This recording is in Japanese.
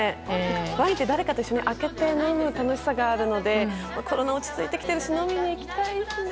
ワインって、誰かと一緒に開けて飲む楽しさがあるので、コロナ落ち着いてきてるし、飲みに行きたいですね。